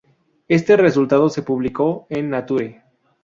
Este resultado se publicó en Nature.